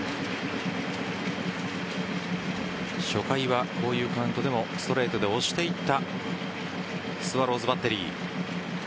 初回はこういうカウントでもストレートで押していったスワローズバッテリー。